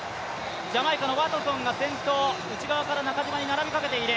ジャマイカのワトソンが先頭、内側から中島に並びかけている。